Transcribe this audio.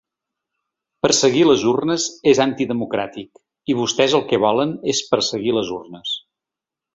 Perseguir les urnes és antidemocràtic i vostès el que volen és perseguir les urnes.